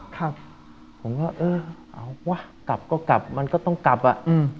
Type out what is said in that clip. ครับผมก็เออเอาวะกลับก็กลับมันก็ต้องกลับอ่ะอืม